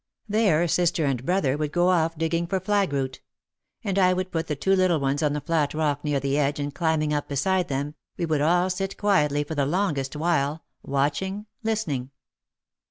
There, sister and brother would go off digging for flagroot. And I would put the two little ones on the flat rock near the edge and climbing up beside them, we would all sit quietly for the longest while, watching, listening.